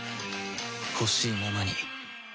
ほしいままに